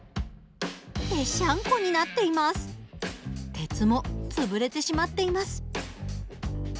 鉄も潰れてしまっています。